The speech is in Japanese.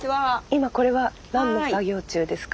今これは何の作業中ですか？